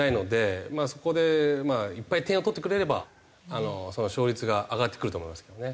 そこでいっぱい点を取ってくれれば勝率が上がってくると思いますけどね。